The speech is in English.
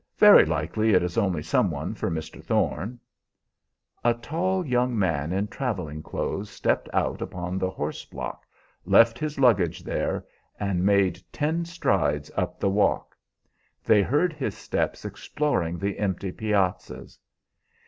Very likely it is only some one for Mr. Thorne." A tall young man in traveling clothes stepped out upon the horse block, left his luggage there, and made ten strides up the walk. They heard his step exploring the empty piazzas.